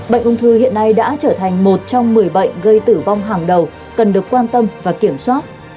bệnh ung thư hiện nay đã trở thành một trong một mươi bệnh gây tử vong hàng đầu cần được quan tâm và kiểm soát